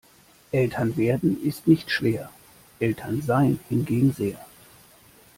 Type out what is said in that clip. Eltern werden ist nicht schwer, Eltern sein hingegen sehr.